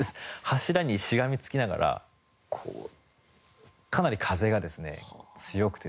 柱にしがみつきながらこうかなり風がですね強くてですね